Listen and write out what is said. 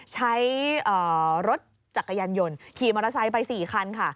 ใช้รถจักรยานยนต์ขี่มอเตอร์ไซค์ไป๔คันค่ะ